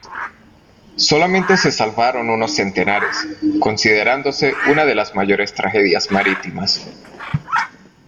Solamente se salvaron unos centenares, considerándose una de las mayores tragedias marítimas.